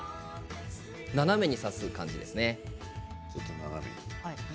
斜めに挿す感じですね。